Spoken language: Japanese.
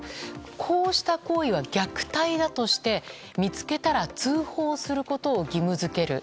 こうした行為は、虐待だとして見つけたら通報することを義務付ける。